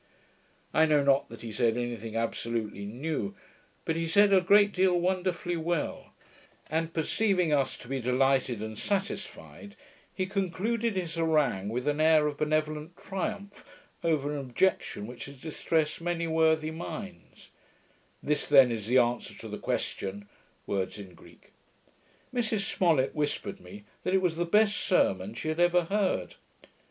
I know not that he said any thing absolutely new, but he said a great deal wonderfully well; and perceiving us to be delighted and satisfied, he concluded his harangue with an air of benevolent triumph over an objection which has distressed many worthy minds: This then is the answer to the question, [words in Greek]?' Mrs Smollet whispered me, that it was the best sermon she had ever heard.